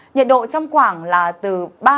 nhiệt độ trong khoảng là từ